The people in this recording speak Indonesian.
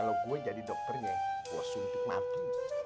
kalau gue jadi dokternya gue suntik mati